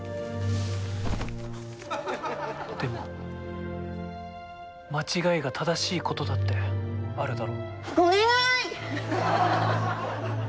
でも間違いが正しいことだってあるだろ？